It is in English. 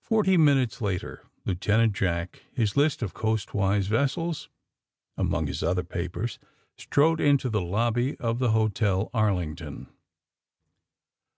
Forty minutes later Lieutenant Jack, his list of coastwise vessels among his other papers, strode into the lobby of the Hotel Arlington.